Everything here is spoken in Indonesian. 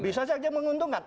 tapi bisa juga menguntungkan